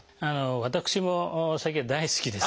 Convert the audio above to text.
私もお酒は大好きです。